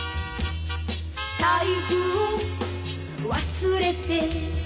「財布を忘れて」